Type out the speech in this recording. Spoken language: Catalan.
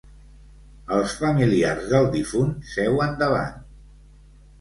Els familiars del difunt seuen davant.